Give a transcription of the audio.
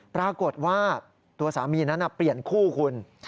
ปรากฏว่าตัวสามีนั้นเปลี่ยนคู่คุณ